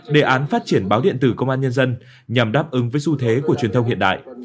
đề án phát triển báo điện tử công an nhân dân nhằm đáp ứng với xu thế của truyền thông hiện đại